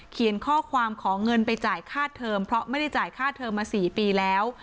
เขียนข้อความขอเงินไปจ่ายค่าเทอมเพราะไม่ได้จ่ายค่าเทอมมา๔ปีแล้ว